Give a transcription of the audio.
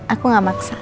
aku gak maksa